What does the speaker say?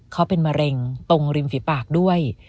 เขาเป็นมะเร็งตรงริมฝีปากด้วย